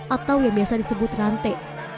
atau yang biasa disebut rante